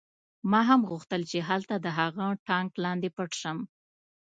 ما هم غوښتل چې هلته د هغه ټانک لاندې پټ شم